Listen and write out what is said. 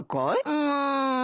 うん。